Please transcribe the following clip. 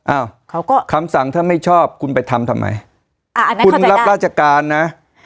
อ้าวเขาก็คำสั่งถ้าไม่ชอบคุณไปทำทำไมอ่านะคุณรับราชการนะ